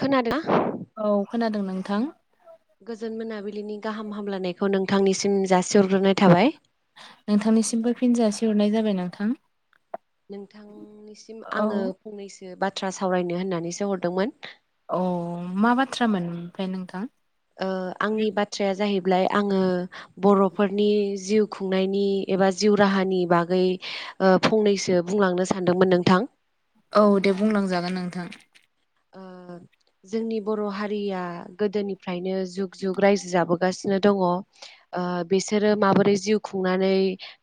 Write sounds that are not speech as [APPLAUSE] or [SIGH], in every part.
खोनादोंना? औ खोनादों नोंथां ‌ गोजोन मोनाबिलिनि गाहाम हामलायनायखौ नोंथांनिसिम जासिहरग्रोनाय थाबाय। नोंथांनिसिमबो फिन जासि हरनाय जाबाय नोंथां। नोंथांनिसिम औ आंङो फंनैसो बाथ्रा सावरायनो होननानैसो हरदोंमोन। अ मा बाथ्रामोन ओमफ्राय नोंथां? ओ आंनि बाथ्राया जाहैब्लाय आंङो बरफोरनि जिउ खुंनायनि एबा जिउ राहानि बागै ओ फंनैसो बुंलांनो सान्दोंमोन नोंथां। औ दे बुंलांजागोन नोंथां। ओ जोंनि बर' हारिया गोदोनिफ्रायनो जुग जुग रायजो जाबोगासिनो दंङ'ओ बिसोरो माबोरै जिउ खुंनानै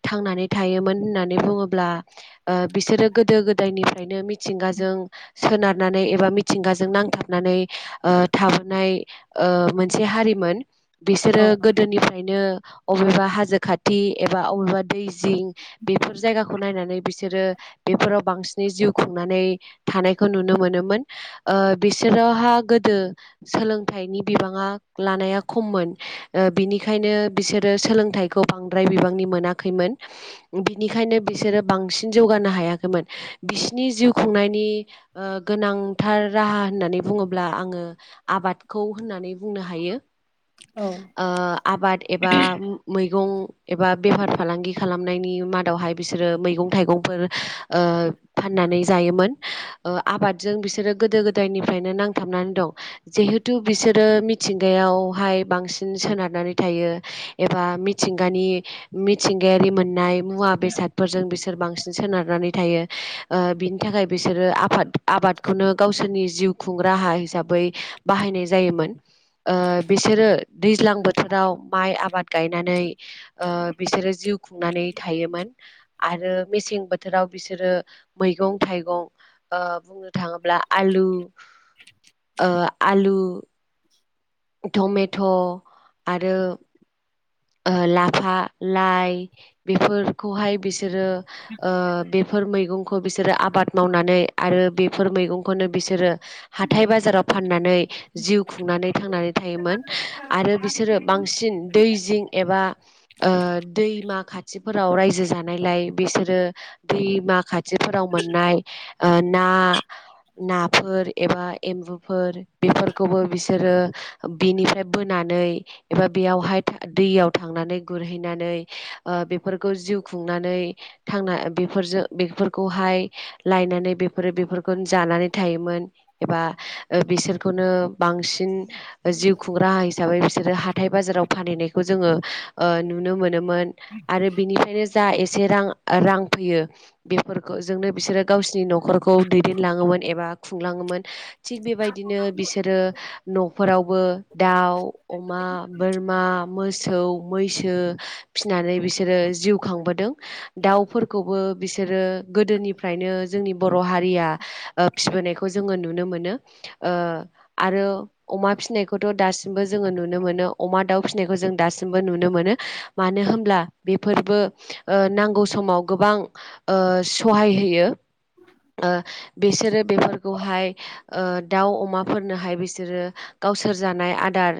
थांनानै थायोमोन होननानै बुं अब्ला ओ बिसोरो गोदो गोदायनिफ्रायनो मिथिंगाजों सोनारनानै एब बा मिथिंगाजों नांथाबनानै ओ थाबोनाय ओ मोनसे हारिमोन बिसोरो औ गोदोनिफ्रायनो अबेबा हाजो खाथि एबा अबेबा दै जिं बेफोर जायगाखौ नायनानै बिसोरो बेफोराव बांसिनै जिउ खुंनानै थानायखौ नुनो मोनोमोन। ओ बिसोरोहा गोदो सोलोंथाइनि बिबांङा लानाया खममोन। ओ बिनिखायनो बिसोरो सोलोंथाइखौ बांद्राय बिबांनि मोनाखैमोन बिनिखायनो नो बिसोरो बांसिन जौगानो हायाखैमोन बिसिनि जिउ खुंनायनि ओ गोनां थार राहा होननानै बुंङोब्ला आंङो आबादखौ होननानै बुंनो हायो। औ ओ आबाद एबा मै मैगं एबा बेफार फालांगि खालामनायनि मादावहाय बिसोरो मैगं थाइगंफोर ओ फाननानै जायोमोन ओ आबादजों बिसोरो गोदो गोदायनिफ्रायनो नांथाबनानै दं जिहेथु बिसोरो मिथिंगायावहाय बांसिन सोनारनानै थायो एबा मिथिंगानि मिथिंगायारि मोननाय मुवा बेसादफोरजों बिसोर बांसिन सोनारनानै थायो। ओ बिनि थाखाय बिसोरो आबाद आबादखौनो गावसोरनि जिउ खुं राहा हिसाबै बाहायनाय जायोमोन ओ बिसोरो दैज्लां दैज्लां बोथोराव माइ आबाद गायनानै ओ बिसोरो जिउ खुंनानै थायोमोन। आरो मेसें बोथोराव बिसोरो मैगं थाइगं ओ बुंनो थांङोब्ला आलु ओ आलु। टमेट' आरो ओ लाफा लाइ बेफोरखौहाय बिसोरो ओ बेफोर बेफोर मैगंखौ बिसोरो आबाद मावनानै आरो बेफोर मैगंखौनो बिसोरो हाथाय बाजाराव फान नानै जिउ खुंनानै थांनानै थायोमोन आरो बिसोरो बांसिन दै जिं एबा ओ दैमा खाथिफोराव रायजो जानायलाय बिसोरो दैमा ऐ ना खाथिफोराव मोननाय ओ ना नाफोर एबा एम्बुफोर बेफोरखौबो बिसोरो बिनिफ्राय बोनानै एबा बेयावहाय दैयाव थांनानै गुरहैनानै ओ बेफोरखौ जिउ खुंनानै थांना बेफोरजों बेफोरखौहाय लायनानै बेफोरो बेफोरखौ जानानै थायोमोन एबा ओ बिसोरखौनो बांसिन जिउ खुंग्रा हिसाबै बिसोरो हाथाय बाजाराव फानहैनायखौ जोंङो ओ नुनो मोनोमोन आरो बिनिफ्रायनो जा एसे रां रां फैयो बेफोरखौ जोंनो बिसोरो गावसिनि न'खरखौ दैदेनलांङो मोन। मोन ऐबा खुंलांङोमोन थिक बेबादिनो बिस बिसोरो न'फोरावबो दाउ अमा बोरमा मोसौ मैसो फिसिनानै बिसोरो जिउ खांबोदों दाउफोरखौबो बिसोरो गोदोनिफ्रायनो जोंनि बर' हारिया ओ फिबोनायखौ जोंङो नुनो मोनो। ओ आरो अमा फिसिनायखौथ' दासिमबो जोंङो नुनो मोनो अमा दाउ फिसिनायखौ जों दासिमबो नुनो मोनो मानो होनब्ला बेफोरबो ओ नांगौ समाव गोबां गोबां ओ सहाय होयो। ओ बिसोरो बेफोरखौहाय ओ दाउ अमाफोरनोहाय बिसोरो गावसोर जानाय आदार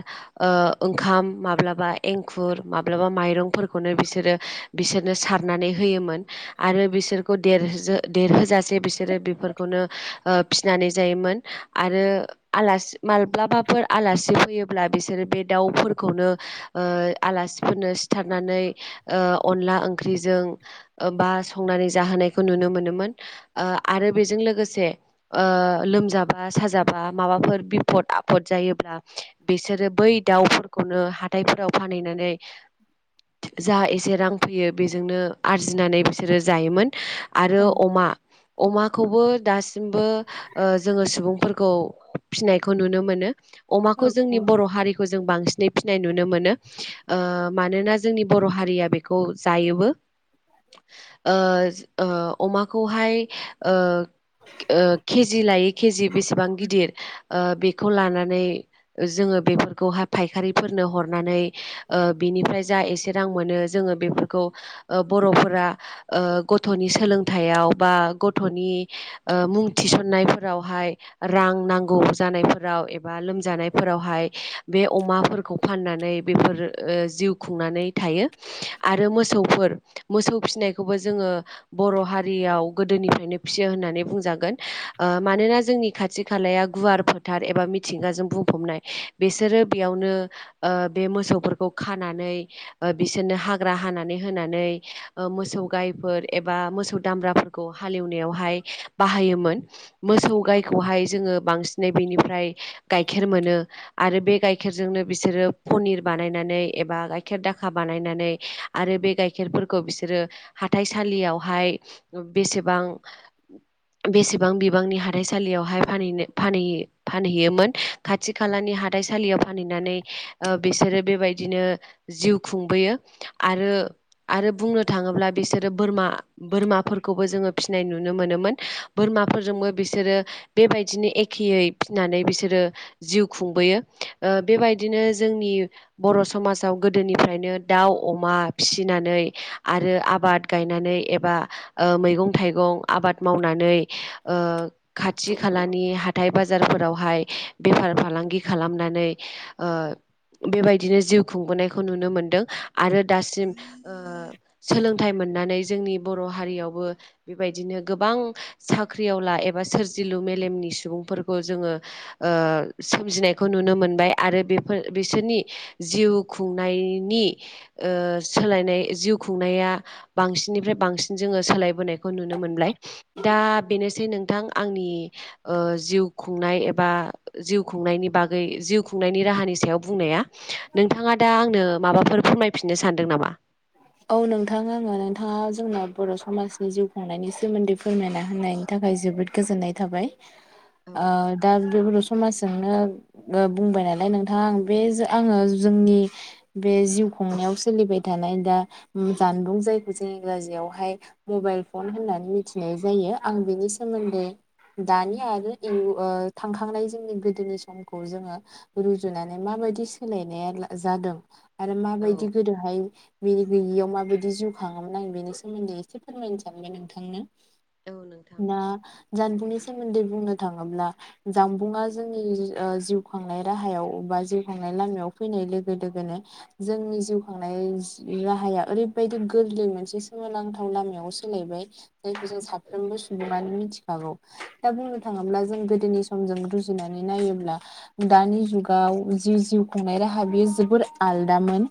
ओ ओंखाम माब्लाबा एंखुर माब्लाबा माइरंफोरखौनो बिसोरो बिसोरनो सारनानै होयोमोन। आरो बिसोरखौ देर देरहोजासे बिसोरो बेफोरखौनो फिसिनानै जायोमोन आरो आलासि माब्लाबाफोर आलासि फैयोल्बा बेसोर बे दावफोर खौनो ओ आलासिफोरनो सिथारनानै ओ अनदला ओंख्रिजों बा संनानै जाहोनायखौ नुनो मोनोमोन ओ आरो बेजों लोगोसे ओ लोमजाबा साजाबा माबाफोर बिफद आफद जायोब्ला बिसोरो बै दाउफोरखौ खौनो हाथायफोराव फानहैनानै जा एसे रां फैयो बेजोंनो आरजिनानै बिसोरो जायोमोन। आरो औ अमा अमाखौबो दासिमबो ओ जोंङो सुबुंफोरखौ फिसिनायखौ नुनो मोनो औ अमाखौ जोंनि औ बर' हारिखौ जों बांसिन फिसिनाय नुनो मोनो ओ मानोना जोंनि बर' हारिया बेखौ जायोबो। ओ ज ओ अमाखौहाय ओ ओ केजि लायै केजि बेसेबां गिदिर ओ बे खौ लानानै जोङो बेफोरखौहाय फायखारि फोरनो हरनानै ओ बिनिफ्राय जा एसे रां मोनो जोङो बेफोरखौ ओ बर'फोरा ओ गथ'नि सोलोंथाइाव बा गथ'नि ओ मुं थिसननायफोराव हाय रां नांगौ जानायफोराव एबा लोमजानायफोरावहाय बे अमाफोर खौ फाननानै बेफोर ओ जिउ खुंनानै थायो आरो मोसौफोर मोसौ फिसिनायखौबो जोङो बर' हारियाव गोदोनिफ्रायनो फिसियो होननानै बुंजागोन ओ मानोना जोंनि खाथि खालाया गुवार फोथार एबा मि थिंगाजों बुंफबनाय बिसोरो बेयावनो ओ बे मोसौफोरखौ खानानै ओ बिसोरनो हाग्रा हानानै होनानै ओ मोसौ गायफोर एबा मोसौ दामब्राफोरखौ हालेवनायावहाय बाहायोमोन। मोसौ गायखौहाय जोङो बांसिनै बेनिफ्राय गाइखेर मोनो आरो बे गाइखेरजोंनो बिसोरो पनिर बानायनानै एबा गाइखेर दाखा बानायनानै आरो बे गाइखेरफोरखौ बिसोर आरो हाथाइसालियावहाय बेसेबां बेसेबां बिबांनि हाथाइसालियावहाय फानैनो फानै-फानहैयोमोन खाथि खालानि हाथाइसालियाव फानहैनानै ओ बिसोरो बेबायदिनो जिउ खुंबोयो आरो आरो बुंनो थाङो ब्ला बिसोरो बोरमा-बोरमाफोरखौबो जोङो फिसिनाय नुनो मोनोमोन बोरमाफोरजोंबो बिसोरो बेबायदिनो एखेयै फिनानै बिसोरो जिउ खुंबोयो बेबाय दिनो जोंनि बर' समाजाव गोदोनिफ्रायनो दाउ अमा फिसिनानै आरो आबाद गायनानै एबा ओ मैगं थाइगं आबाद मावनानै ओ खाथि खालानि हाथाय बाजारफोरावहाय बेफार फालांगि खालामनानै ओ बेबायदिनो जिउ खुंबोनायखौ नुनो मोनदों आरो दासिम ओ सोलोंथाइ मोननानै जोंनि बर' हारियावबो बेबायदिनो गोबां साख्रियावला एबा सोरजिलु मेलेमनि सुबुंफोरखौ जोङो ओ सोमजिनायखौ नुनो मोनबाय। आरो बेफोर बिसोरनि जिउ खुंनायनि ओ सोलायनाय जिउ खुंनाया बांसिननिफ्राय बांसिन जोङो सोलायबोनायखौ नुनो मोनबाय दा बेनोसै नोंथां आंनि ओ जिउ खुंनाय एबा जिउ खुंनायनि बागै जिउ खुंनायनि राहानि सायाव बुंनाया नोंथाङा दा आंनो माबाफोर फोरमायफिननो सानदों नामा? [INAUDIBLE] औ नोंथां आङो नोंथाङा जोंना बर' समाजनि जिउ खुंनायनि सोमोन्दै फोरमायना होननायनि थाखाय जोबोद गोजोननाय थाबाय। औ ओ दा बे बर' समाजजोंनो ओ बुंबाय नालाय नोंथाङा आं बे ज आङो नि बे जिउ खुंनायाव सोलिबाय थानाय दा उम जानबुं जायखौ जों इंग्राजिआवहाय मबाइल फन होननानै मिथिनाय जायो। आं बिनि सोमोन्दै दानि आरो इउ ओ थांखांनाय जोंनि गोदोनि समखौ जोङो रुजुनानै मा बायदि सोलायनाया जादों आरो औ माबायदि गोदोहाय बिनि गैयियाव माबायदि जिउ खाङोमोन आं बेनि सोमोन्दै एसे फोरमायनो सानबाय नोंथांनो। औ नोंथां। ना जानबुंनि सोमोन्दै बुंनो थाङोब्ला जानबुंङा जोंनि ओ जिउ खांनाय राहायाव बा जिउ खांनाय लामायाव फैनाय लोगो लोगोनो जोंनि जिउ खांनाय राहाया ओरैबायदि गोरलै मोनसे सोमोनांथाव लामायाव सोलायबाय जायखौ जों साफ्रोमबो सुबुङानो मिथिखागौ दा बुंनो थाङोब्ला जों गोदोनि समजों रुजुनानै नायोब्ला दानि जुगाव जि जिउ खुंनाय राहा बेयो जोबोद आलदामोन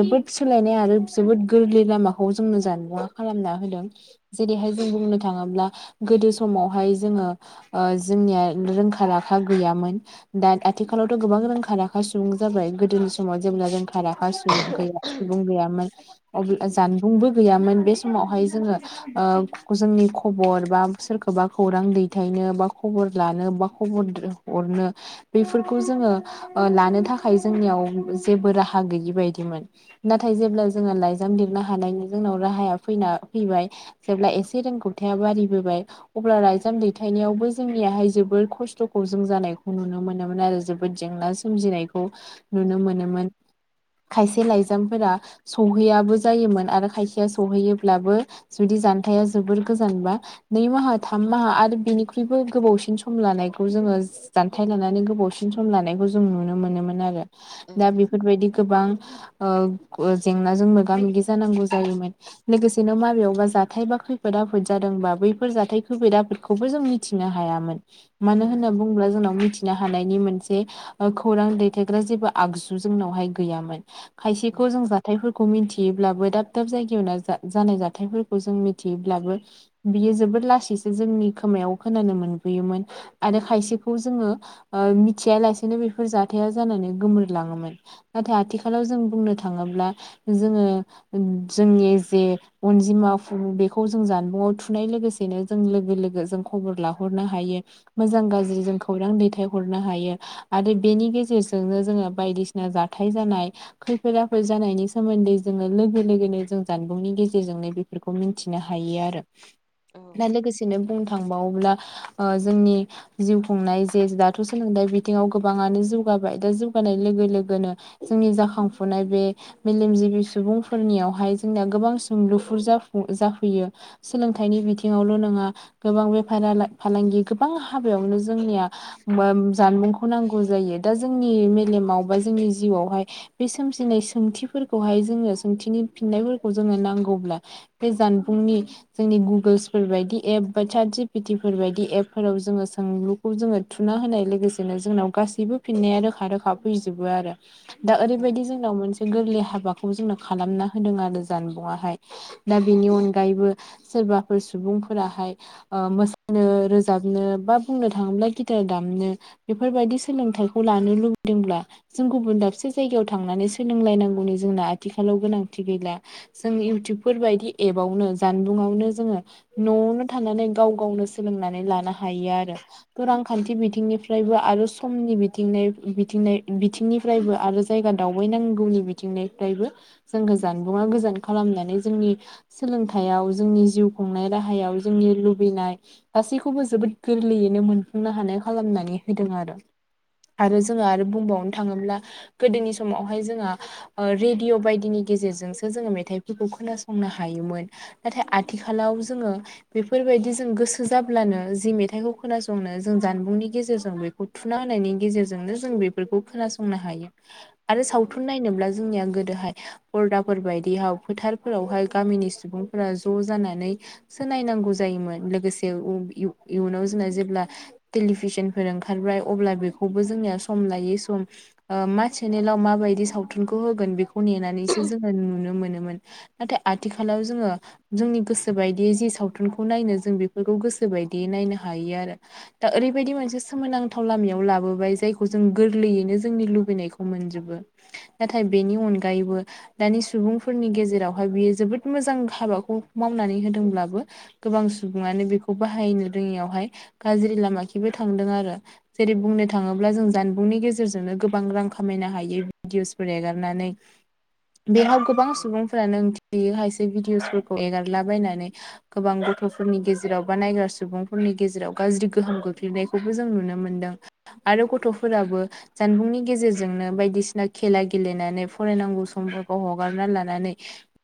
जोबोद सोलायनाय आरो जोबोद गोरलै लामाखौ जोंनो जान मुंवा खालामना होदों जेरैहाय जों बुंनो थाङो थाङोब्ला गोदो समावहाय जोङो ओ जोंनिया रोंखा राखा गैयामोन दा आथिखालावथ' गोबां रोंखा राखा सुबुं जाबाय गोदोनि समाव जेब्ला रोंखा भाराखा सुबुं गैया सुबुं गैयामोन अब्ला उम जानबुंबो गैयामोन बे समावहाय जोङो ओ जोंनि खबर बा सोरखौबा खौरां दैथायनो बा खबर लानो बा खबर हरनो बेफोरखौ जोङो लानो थाखाय जोंनियाव जेबो राहा गैयि बायदिमोन नाथाय जेब्ला जोङो लाइजाम लिरनो हानायनि जोंनाव राहाया फैना फैबाय जेब्ला एसे रोंगौथि बारिबोबाय अब्ला रायजाम दैथायनायावबो जोंनियाहाय जोबोद खस्थ'खौ जों जानायखौ नुनो मोनो मोनोमोन आरो जोबोद जेंना सोमजिनायखौ औ नुनो मोनोमोन खायसे लाइजाम फोरा सहैयाबो जायोमोन आरो खायसेया सौहैयोब्लाबो जुदि जानथाया जोबोर गोजानबा नै माहा थाम माहा आरो बिनिख्रुइबो गोबावसिन सम लानायखौ जोङो जान्थाय लानानै गोबावसिन सम लानायखौ जों नुनो मोनोमोन आरो। औ दा बेफोरबायदि गोबां ओ जेंनाजों मोगा मोगि जानांगौ जायोमोन लोगोसेनो माबेयावबा जाथाय बा खैफोद अफोद जादोंबा बैफोर जाथाय खैफद आफोदखौबो जों मिथिनो हायामोन। मानो औ होनना बुंब्ला जोंनाव मिथिनो हानायनि मोनसे खौरां दैथायग्रा जेबो आगजु जोंनावहाय गैयामोन। औ खायसेखौ जों जाथायफोरखौ मिन्थि बियोब्लाबो दाब दाब जायगायाव ना जा जानाय जाथायफोरखौ जों मिथियोब्लाबो बियो जोबोद लासै जे जोंनि खोमायाव खोनानो मोनबोयोमोन आरो खायसेखौ जोङो ओ मिथिया लासिनो बेफोर जाथाया जानानै गोमोरलाङोमोन नाथाय आथिखालाव जों बुंनो थाङोब्ला जोङो जोंनि ओ जे अनजिमा बेखौ जों जानबुंआव थुनाय लोगोसेनो जों लोगो लोगो जों खबर लाहरनो हायो मोजां गाज्रि जों खौरां दैथाय हरनो हायो आरो बेनि गेजेरजोंनो जोङो बायदिसिना जाथाय जानाय खैफोद आफोद जानायनि सोमोन्दै जोङो लोगो लोगोनो जों जानबुंनि गेजेरजोंनो बेफोरखौ मिन्थिनो हा यो आरो औ दा लोगोसेनो बुं थांबावोब्ला ओ जोंनि जिउ खुंनाय जे दाथ' सोलोंथाइ बिथिङाव गोबाङानो जौगा बाय दा जौगानाय लोगो लोगोनो जोंनि जाखां फुनाय बे मेलेमजिबि सुबुंफोरनियावहाय जोंनिया गोबां सोंलुफुर जाफुं जाफैयो सोलोंथाइनि बिथिङावल' नङा गोबां बेफारा ला फालांगि गोबां हाबायावनो जोंनिया जानबुंखौ नांगौ जायो दा जोंनि मेलेमाव बा जोंनि जिउआवहाय बे सोमजिनाय सोंथिफोरखौहाय जोङो सोंथिनि फिननायफोरखौ जोङो नांगौब्ला बे जानबुं जोंनि गुगोलसफोर बायदि एप बा साटजिपिटिफोर बायदि एपफोराव जोङो सोंलुखौ जोङो थुना होनाय लोगोसेनो जोंनाव गासैबो फिननाया रोखा रोखा फैजोबो आरो। दा औ ओरैबायदि जोंनाव मोनसे गोरलै हाबाखौ जोंनो खालामना होदों आरो जानबुंङाहाय दा बेनि अनगायैबो सोरबाफोर सुबुंफोराहाय ओ मोसानो रोजाबनो बा बुंनो थाङोब्ला गिटार दामनो बेफोरबायदि सोलोंथाइखौ लानो लुबैदोंब्ला जों गुबुन दाबसे जायगायाव थांनानै सोलोंलायनांगौनि जोंना आथिखालाव गोनांथि गैला जों इउटुबफोर बायदि एप एफ‌आवनो जानबुंआवनो जोङो न'आवनो थानानै गाव गावनो सोलोंनानै लानो हायो आरो। रांखान्थि बिथिंनिफ्रायबो आरो समनि बिथिंनाय बिथिंनाय बिथिंनिफ्रायबो आरो जायगा दावबायनांगौनि बिथिंनिफ्रायबो जोंखौ जानबुंङा गोजान खालामनानै जोंनि सोलोंथाइाव जोंनि जिउ खुंनाय राहायाव जोंनि लुबैनाय गासैखौबो जोबोद गोरलैयैनो मोफुंनो हानाय खालामनानै होदों आरो आरो जोंङो आरो बुंबावनो थाङोब्ला गोदोनि समावहाय जोंआ रेडिअ' बायदिनि गेजेरजोंसो जोङो मेथाइफोरखौ खोनासंनो हायो मोन नाथाय आथिखालाव जोङो बेफोरबायदि जों गोसो जाब्लानो जि मेथाइखौ खोना संनो जों जानबुंनि गेजेरजों बेखौ थुना होनायनि गेजेरजोंनो जों बेफोरखौ खोनासंनो हायो। आरो औ सावथुन नायनोब्ला जोंनिया गोदोहाय हरदाफोर बायदियाव फोथारफोरावहाय गामिनि सुबुंफोरा ज' जानानै सो नायनांगौ जायोमोन लोगोसे उ इ-इयुनाव जोंना जेब्ला टेलिभिसन फोर ओंखारबाय अब्ला बेखौबो जोंनिया सम लायै सम ओ मा चेनेलाव माबायदि सावथुनखौ होगोन बेखौ नेनानैसो जोङो नुनो मोनो। नाथाय आथिखालाव जोङो जोंनि गोसोबायदि जि सावथुनखौ नायनो जों बेफोरखौ गोसो। गो बायदि नायनो हायो आरो दा ओरैबायदि मोनसे सोमोनांथाव लामायाव लाबोबाय जायखौ जों गोरलै। जोंनो जोंनि लुबैनायखौ मोनजोबो नाथाय बेनि अनगायैबो दानि सुबुंफोरनि गेजेरावहाय बियो जोबोद मो मोजां हाबाखौ मावनानै होदोंब्लाबो गोबां सुबुङानो बेखौ बाहायनो रोङियावहाय गाज्रि लामाखिबो थांदों आरो जेरै बुंनो थाङोब्ला जों जानबुंनि गेजेरजोंनो गोबां रांखौ खामायनो हायै भिडअसफोर एगारनानै बेयाव गोबां सुबुंफोरानों बेयो खायसे भिडिअसफोरखौ एगारलाबायनानै गोबां गथ'फोरनि गेजेराव बा नायग्रा सुबुंफोर। नि गेजेराव गाज्रि गोहोम गोगलैनायखौबो जों नुनो मोनदों आरो गथ'फोराबो जानबुंनि गेजेरजों जोंनो बायदिसिना खेला गेलेनानै फरायनांगौ समफोरखौ हगारना लानानै।